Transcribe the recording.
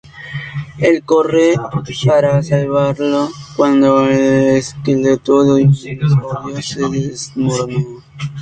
Él corre para salvarlo cuando el esqueleto de dinosaurio se desmorona.